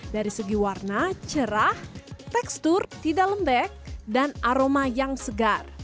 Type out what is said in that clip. dari segi warna cerah tekstur tidak lembek dan aroma yang segar